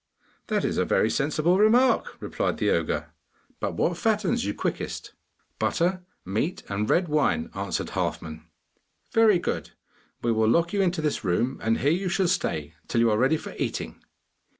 'That is a very sensible remark,' replied the ogre; 'but what fattens you quickest?' 'Butter, meat, and red wine,' answered Halfman. 'Very good; we will lock you into this room, and here you shall stay till you are ready for eating.